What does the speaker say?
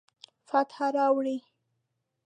فتح راوړي